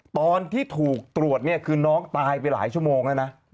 ตอนที่ถูกตรวจเนี่ยคือน้องตายไปหลายชั่วโมงแล้วนะ